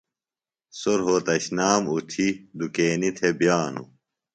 سوۡ روھوتشنام اُتھیۡ دُکینیۡ تھےۡ بِیانوۡ۔